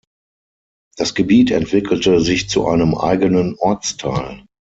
Das Gebiet entwickelte sich zu einem eigenen Ortsteil.